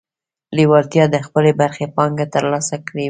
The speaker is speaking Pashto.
لېوالتیا د خپلې برخې پانګه ترلاسه کړې وه